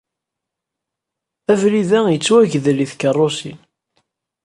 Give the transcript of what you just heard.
Abrid-a yettwagdel i tkeṛṛusin.